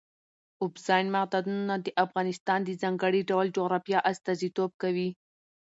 اوبزین معدنونه د افغانستان د ځانګړي ډول جغرافیه استازیتوب کوي.